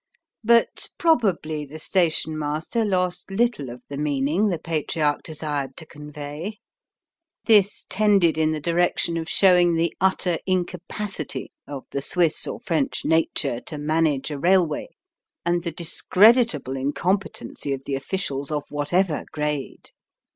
But probably the station master lost little of the meaning the Patriarch desired to convey. This tended in the direction of showing the utter incapacity of the Swiss or French nature to manage a railway, and the discreditable incompetency of the officials of whatever grade.